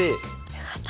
よかった。